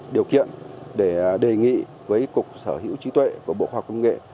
điều kiện để đề nghị với cục sở hữu trí tuệ của bộ khoa công nghệ